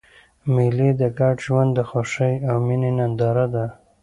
مېلې د ګډ ژوند د خوښۍ او میني ننداره ده.